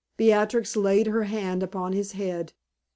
Beatrix laid her hand upon his head.